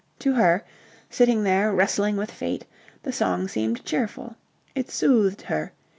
To her, sitting there wrestling with Fate, the song seemed cheerful. It soothed her.